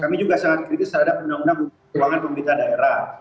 kami juga sangat kritis terhadap menang menang keuangan pemerintahan daerah